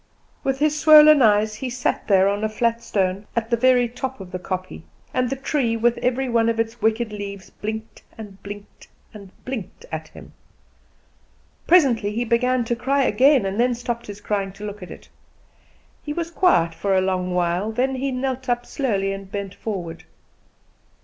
With his swollen eyes he sat there on a flat stone at the very top of the kopje; and the tree, with every one of its wicked leaves, blinked, and blinked, and blinked at him. Presently he began to cry again, and then stopped his crying to look at it. He was quiet for a long while, then he knelt up slowly and bent forward.